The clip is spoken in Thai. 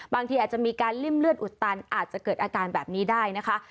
บางทีอาจจะมีการริ่มเลือดอุดตันอาจจะเกิดอาการแบบนี้ได้นะคะ